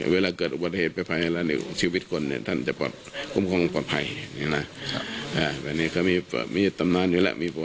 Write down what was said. มีประวัติอยู่แล้ว